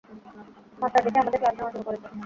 Master দেখি আমাদের class নেওয়া শুরু করেছে।